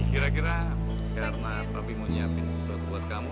kira kira karena papa mau nyiapin sesuatu buat kamu